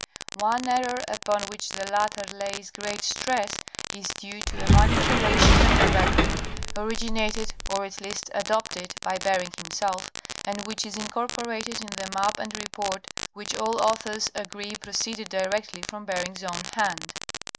One error upon which the latter lays great stress, is due to a manipu lation of the record, originated or at least adopted by Bering himself, and which is incorporated in the map and report which all authors agree proceeded directly from Bering's own hand.